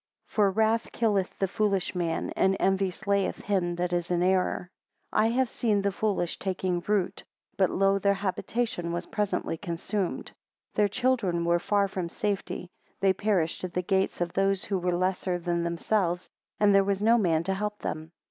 9 For wrath killeth the foolish man, and envy slayeth him that is in error. 10 I have seen the foolish taking root, but lo, their habitation was presently consumed. 11 Their children were far from safety, they perished at the gates of those who were lesser than themselves: and there was no man to help them.